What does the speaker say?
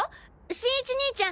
新一兄ちゃん